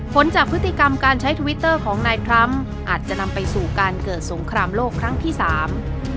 ผลจากพฤติกรรมการใช้ทวิตเตอร์ของนายทรัมป์อาจจะนำไปสู่การเกิดสงครามโลกครั้งที่สาม